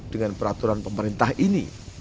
dengan peraturan pemerintah ini